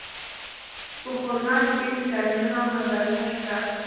په خرما کې ډېر ویټامینونه او منرالونه شته.